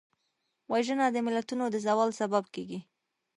وژنه د ملتونو د زوال سبب کېږي